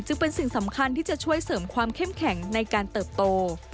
จึงเป็นสิ่งสำคัญที่จะช่วยเสริมความเข้มแข็งในการเติบโต